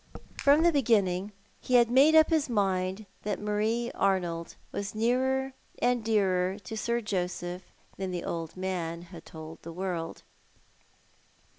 From the beginning he had made up his mind that Marie Arnold was nearer and dearer to Sir Joseph than the old man had told the world.